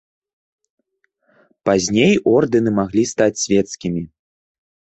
Пазней ордэны маглі стаць свецкімі.